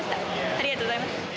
ありがとうございます